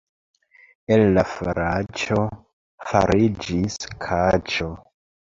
El la faraĉo fariĝis kaĉo.